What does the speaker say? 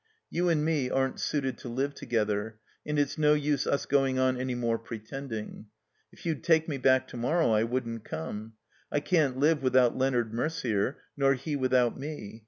You and me aren't suited to live together, and it's no use us going on any more pretending. If you'd take me back to morrow I wouldn't come. I can't live without Leonard Merder, nor he without me.